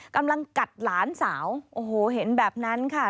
กำลังกัดหลานสาวโอ้โหเห็นแบบนั้นค่ะ